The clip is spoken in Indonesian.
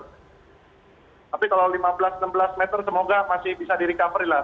tapi kalau lima belas enam belas meter semoga masih bisa di recovery lah